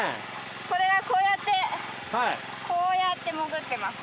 これがこうやってこうやって潜ってます